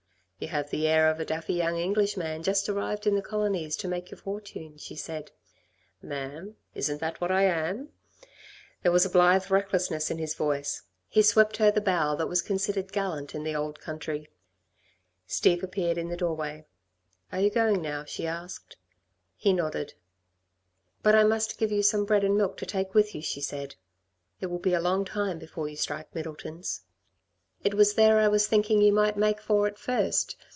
"You have the air of a daffy young Englishman just arrived in the Colonies to make your fortune," she said. "Ma'am, isn't that what I am?" There was a blithe recklessness in his voice. He swept her the bow that was considered gallant in the old country. Steve appeared in the doorway. "Are you going now?" she asked. He nodded. "But I must give you some bread and milk to take with you," she said. "It will be a long time before you strike Middleton's. It was there I was thinking you might make for at first.